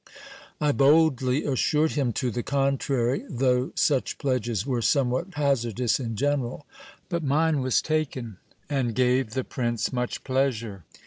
I boldly assured him to the contrary, though such pledges were somewhat hazardous in general ; but mine was taken, and gave the prince much pleasure.